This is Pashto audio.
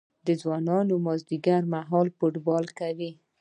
ځوانان مازدیګر مهال فوټبال کوي.